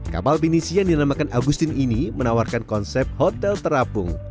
kapal pinisi yang dinamakan agustin ini menawarkan konsep hotel terapung